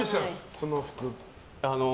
その服。